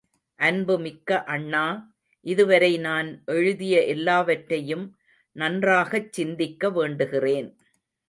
அன்புமிக்க அண்ணா, இதுவரை நான் எழுதிய எல்லாவற்றையும் நன்றாகச் சிந்திக்க வேண்டுகிறேன்.